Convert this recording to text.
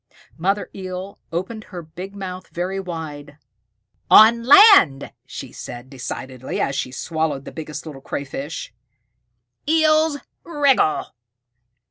Mother Eel opened her big mouth very wide. "On land," she said decidedly, as she swallowed the Biggest Little Crayfish, "Eels wriggle."